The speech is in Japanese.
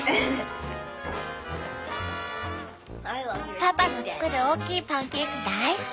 パパの作る大きいパンケーキ大好き！